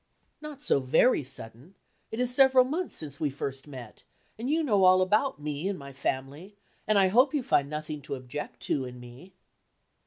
"Not so very sudden; it is several months since we first met, and you know all about me, and my family, and I hope you find nothing to object to in me."